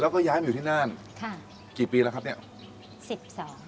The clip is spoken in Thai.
แล้วก็ย้ายมาอยู่ที่นั่นค่ะกี่ปีแล้วครับเนี้ยสิบสอง